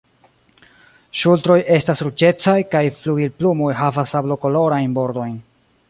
Ŝultroj estas ruĝecaj kaj flugilplumoj havas sablokolorajn bordojn.